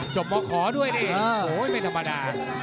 จบมขด้วยเองโอ้ยไม่ธรรมดา